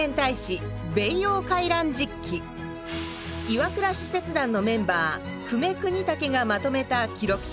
岩倉使節団のメンバー久米邦武がまとめた記録書です。